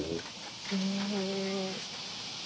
へえ。